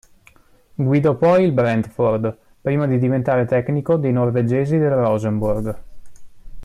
Guidò poi il Brentford, prima di diventare tecnico dei norvegesi del Rosenborg.